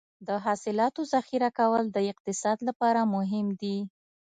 د حاصلاتو ذخیره کول د اقتصاد لپاره مهم دي.